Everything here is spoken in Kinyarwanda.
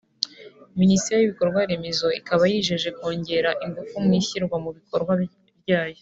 Minisiteri y’ibikorwa Remezo ikaba yijeje kongera ingufu mu ishyirwa mu bikorwa ryayo